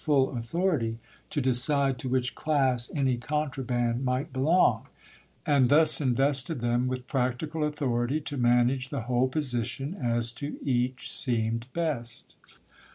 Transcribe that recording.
full authority to decide to which class any contra ^' band might belong, and thus invested them with practical authority to manage the whole position, as to each seemed best.